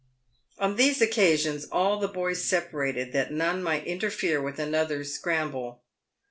On these occasions all the boys separated, that none might inter fere with another's scramble.